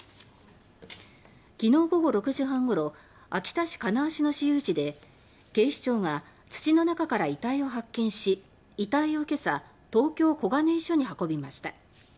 昨日午後６時半ごろ秋田市金足の私有地で警視庁が土の中から遺体を発見し遺体をけさ東京・小金井署に運びました。